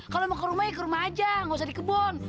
kalau mau ke rumah ya ke rumah aja nggak usah di kebun